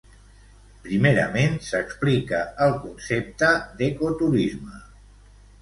Primerament, s'explica el concepte d'ecoturisme.